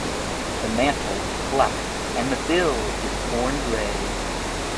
The mantle is black and the bill is horn-grey.